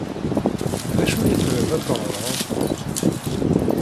D acu i triḍ ad teɣreḍ?